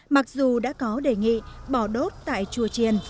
mặc dù đã có đề nghị bỏ đốt tại chùa triền